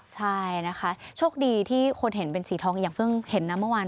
ใช่นะคะโชคดีที่คนเห็นเป็นสีทองอย่างเพิ่งเห็นนะเมื่อวาน